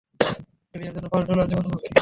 Radiator জন্য পাঁচ dollar দেবো তোমাকে।